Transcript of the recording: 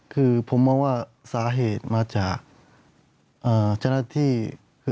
คือผมว่าสาเหตุมาจาก